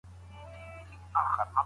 فارابي بدلون تشريح کوي.